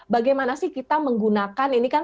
bagaimana sih kita menggunakan ini kan